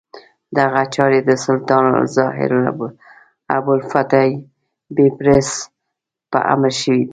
دغه چارې د سلطان الظاهر ابوالفتح بیبرس په امر شوې دي.